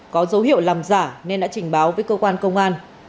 có dấu hiệu làm giả nên đã trình báo với cơ quan công an